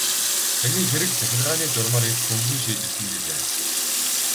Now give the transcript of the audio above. Таны хэрэг захиргааны журмаар их хөнгөн шийдэгдэнэ гэлээ.